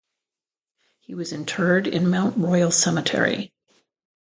He was interred in Mount Royal Cemetery.